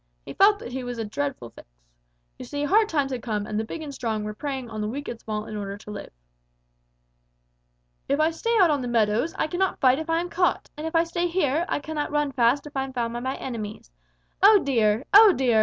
He felt that he was in a dreadful fix. You see, hard times had come, and the big and strong were preying on the weak and small in order to live. "'If I stay out on the meadows, I cannot fight if I am caught; and if I stay here, I cannot run fast if I am found by my enemies. Oh, dear! Oh, dear!